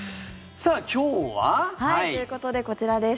さあ、今日は？ということでこちらです。